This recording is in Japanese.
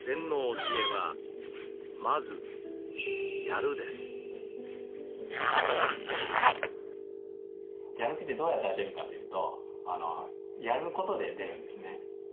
やる気ってどうやったら出るかというとやることで出るんですね。